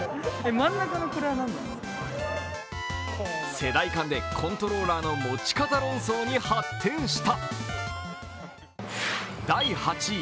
世代間でコントローラーの持ち方論争に発展した。